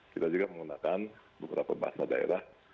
kita juga menggunakan beberapa bahasa daerah